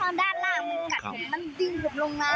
มันกัดมันดิ้งหลบลงน้ำ